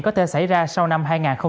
có thể xảy ra sau năm hai nghìn hai mươi